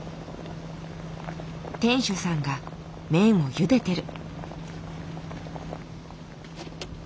店主さんが麺をゆでてる。